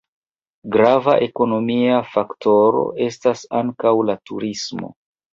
Grava ekonomia faktoro estas ankaŭ la turismo.